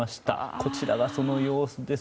こちらがその様子です。